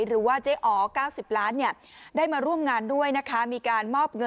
หรือว่าเจ๊อ๋อ๙๐ล้านเนี่ยได้มาร่วมงานด้วยนะคะ